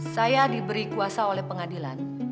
saya diberi kuasa oleh pengadilan